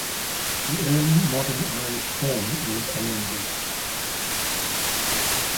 The Early Modern Irish form was Aonghus.